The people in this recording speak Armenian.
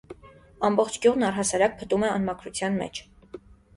Ամբողջ գյուղն առհասարակ փտում է անմաքրության մեջ: